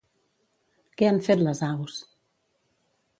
Què han fet les aus?